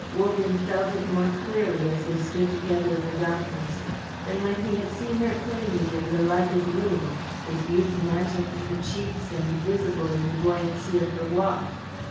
Wogan felt it more clearly as they stood together in the darkness than when he had seen her plainly in the lighted room, with youth mantling her cheeks and visible in the buoyancy of her walk.